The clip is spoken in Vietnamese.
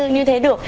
như thế được